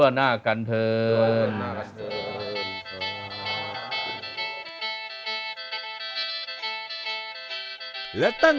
หนุนนำส่ง